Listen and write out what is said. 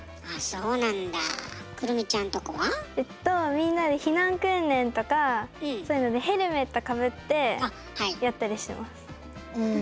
みんなで避難訓練とかそういうのでヘルメットかぶってやったりしてます。